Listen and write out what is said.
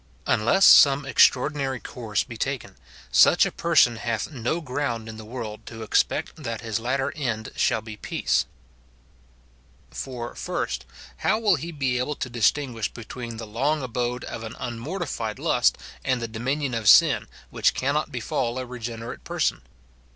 Unless some extraordinary course be taken, such a person hath no ground in the world to expect that his latter end shall be peace. 19* 222 MOKTIFICATION OF For, first. How will lie be able to distinguish between the long abode of an unmortified lust and the dominion of sin, which cannot befall a regenerate person